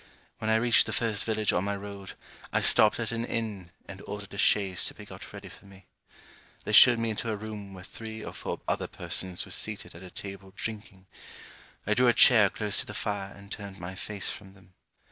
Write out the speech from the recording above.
When I reached the first village on my road, I stopped at an inn, and ordered a chaise to be got ready for me. They showed me into a room where three or four other persons were seated at a table drinking. I drew a chair close to the fire and turned my face from them.